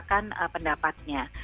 untuk mengembangkan pendapatnya